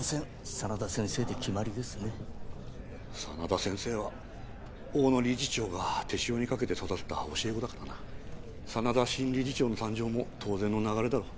真田先生で決まりですね真田先生は大野理事長が手塩にかけて育てた教え子だからな真田新理事長の誕生も当然の流れだろう